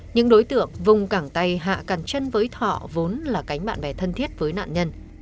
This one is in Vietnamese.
những đối tượng vùng cảng tay hạ cà cằn chân với thọ vốn là cánh bạn bè thân thiết với nạn nhân